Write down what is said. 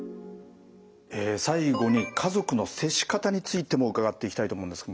最後に家族の接し方についても伺っていきたいと思うんですけど